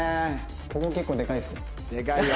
ここ結構でかいですよ。